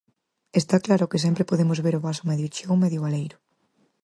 Está claro que sempre podemos ver o vaso medio cheo ou medio baleiro.